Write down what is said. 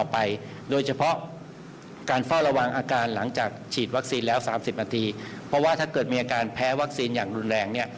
เพราะว่าถ้าเกิดมีอาการแพ้วัคซีนอย่างรุนแรงเนี่ย